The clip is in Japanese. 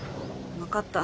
分かった。